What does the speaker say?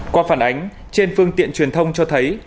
qua phản ánh trên phương tiện truyền thông cho thấy